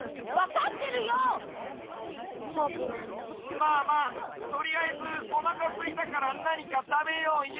まあまあとりあえずおなかすいたからなにかたべようよ。